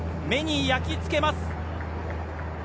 目に焼き付けます。